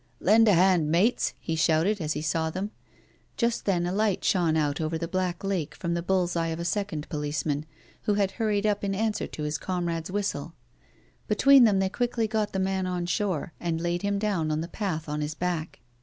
" Lend a hand, mates," he shouted as he saw them. Just then a light shone out over the black lake from the bull's eye of a second policeman who THE LADY AND THE BEGGAR. 359 had hurried up in answer to his comrade's whistle. Between them they quickly got the man on shore, and laid him down on the path on his back.